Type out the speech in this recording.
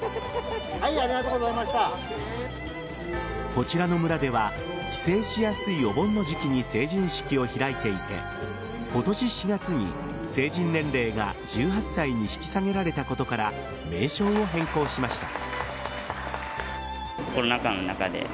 こちらの村では帰省しやすいお盆の時期に成人式を開いていて今年４月に成人年齢が１８歳に引き下げられたことから名称を変更しました。